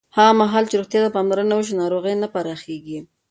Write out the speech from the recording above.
هغه مهال چې روغتیا ته پاملرنه وشي، ناروغۍ نه پراخېږي.